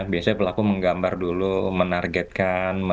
biasanya pelaku menggambar dulu menargetkan